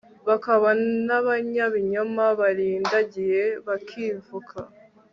bakaba n'abanyabinyoma barindagiye bakivuka